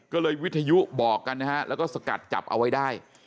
ก็เลยวิทยุบอกกันนะฮะแล้วก็สกัดจับเอาไว้ได้